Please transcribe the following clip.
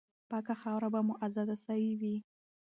پاکه خاوره به مو آزاده سوې وي.